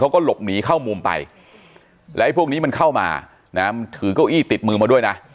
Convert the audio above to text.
เขาก็หลบหนีเข้ามุมไปแล้วไอ้พวกนี้มันเข้ามานะถือเก้าอี้ติดมือมาด้วยนะ